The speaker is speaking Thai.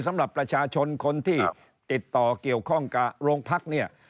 สำหรับประชาชนคนที่ติดต่อเกี่ยวข้องกับโรงพักเนี่ย